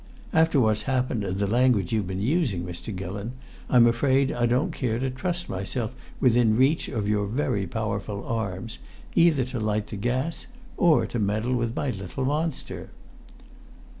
After what's happened and the language you've been using, Mr. Gillon, I'm afraid I don't care to trust myself within reach of your very powerful arms, either to light the gas or to meddle with my little monster."